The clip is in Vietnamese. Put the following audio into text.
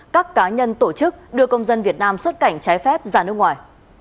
các cá nhân tổ chức đưa công dân việt nam xuất cảnh trái phép ra nước ngoài